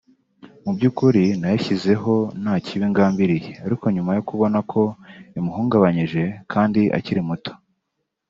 Mu by’ukuri nayishyizeho nta kibi ngambiriye ariko nyuma yo kubona ko imuhungabanyije kandi akiri muto